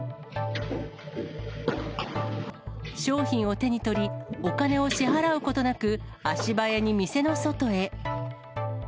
商品を手に取り、お金を支払うことなく足早に店の外へ。